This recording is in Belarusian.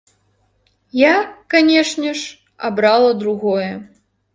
Я, канешне ж, абрала другое.